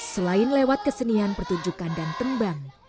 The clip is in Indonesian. selain lewat kesenian pertunjukan dan tembang